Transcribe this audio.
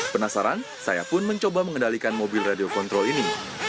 penasaran saya pun mencoba mengendalikan mobil radio kontrol ini